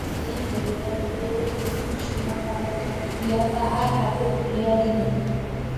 এই বলিয়া বইয়ের প্রথম শূন্য পাতাটি খুলিয়া তাহার হাতে তুলিয়া দিল।